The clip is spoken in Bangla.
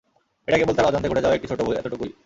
এটা কেবল তার অজান্তে ঘটে যাওয়া একটি ছোট ভুল, এতটুকুই।